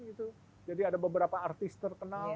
gitu jadi ada beberapa artis terkenal